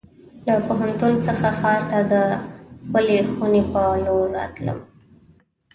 له پوهنتون څخه ښار ته د خپلې خونې په لور راتلم.